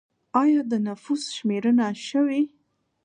آیا د نفوس شمېرنه شوې؟